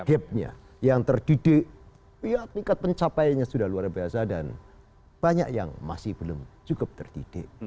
gapnya yang terdidik ya tingkat pencapaiannya sudah luar biasa dan banyak yang masih belum cukup terdidik